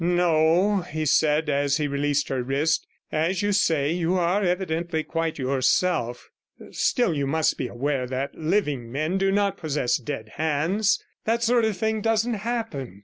'No,' he said, as he released her wrist, 'as you say, you are evidently quite yourself. Still, you must be aware that living men do not possess dead hands. That sort of thing doesn't happen.